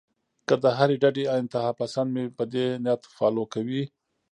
کۀ د هرې ډډې انتها پسند مې پۀ دې نيت فالو کوي